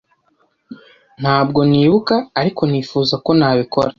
Ntabwo nibuka, ariko nifuza ko nabikora.